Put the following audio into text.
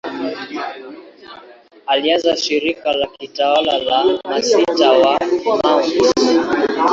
Alianzisha shirika la kitawa la Masista wa Mt.